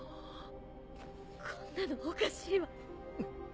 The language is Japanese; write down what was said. こんなのおかしいわ。